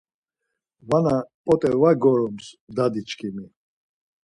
Vana p̌ot̆e var gorums, dadiçkimi